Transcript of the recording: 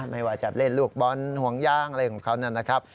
ไม่ว่าจะเล่นลูกบอลห่วงย่างอะไรของเขานะครับ